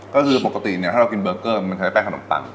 ก็คือปกติถ้าเรากินเบอร์เกอร์มันเหมือนกับแป้งขนมปัง